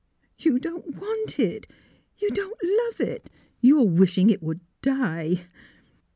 " You don't want it! You don't love it! You are wishing it would die!